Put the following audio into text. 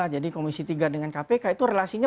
jadi komisi tiga dengan kpk itu relasinya